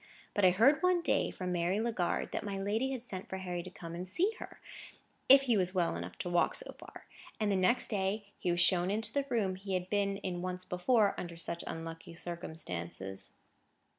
But I heard one day, from Mary Legard, that my lady had sent for Harry to come and see her, if he was well enough to walk so far; and the next day he was shown into the room he had been in once before under such unlucky circumstances.